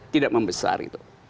tidak membesar itu